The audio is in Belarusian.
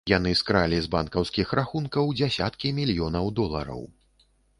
Яны скралі з банкаўскіх рахункаў дзясяткі мільёнаў долараў.